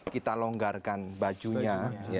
kita longgarkan bajunya